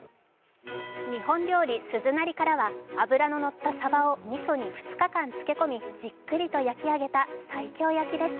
日本料理・鈴なりからは脂ののったさばをみそに２日間漬け込み、じっくりと焼き上げた西京焼きです。